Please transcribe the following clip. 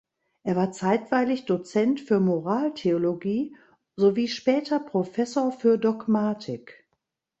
Er war zeitweilig Dozent für Moraltheologie sowie später Professor für Dogmatik.